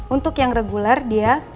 untuk yang regular dia